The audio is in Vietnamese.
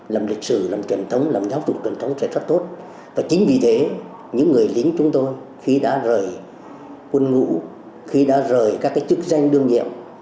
làm lịch sử làm truyền thống làm giáo dục truyền thống sẽ rất tốt và chính vì thế những người lính chúng tôi khi đã rời quân ngũ khi đã rời các cái chức danh đương nhiệm